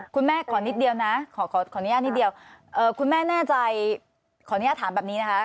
คุณแม่ขอนิดเดียวนะขออนุญาตนิดเดียวคุณแม่แน่ใจขออนุญาตถามแบบนี้นะคะ